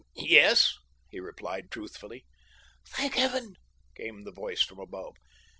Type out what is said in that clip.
"Yes," he replied truthfully. "Thank Heaven!" came the voice from above.